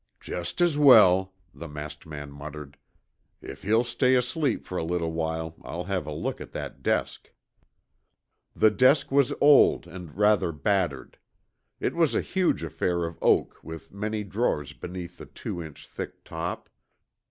"Just as well," the masked man muttered. "If he'll stay asleep for a little while I'll have a look at that desk." The desk was old and rather battered. It was a huge affair of oak with many drawers beneath the two inch thick top.